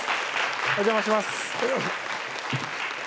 お邪魔します。